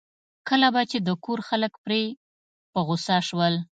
کله به چې د کور خلک پرې په غوسه شول.